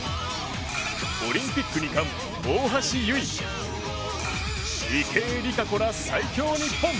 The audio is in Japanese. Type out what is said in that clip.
オリンピック２冠、大橋悠依池江璃花子ら最強日本。